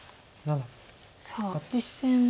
さあ実戦は。